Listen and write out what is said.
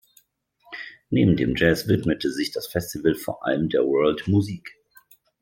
Neben dem Jazz widmet sich das Festival vor allem der World Musik.